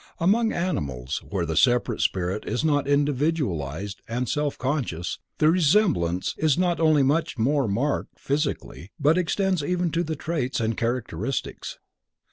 Among animals, where the separate spirit is not individualized and self conscious, the resemblance is not only much more marked physically but extends even to traits and characteristics.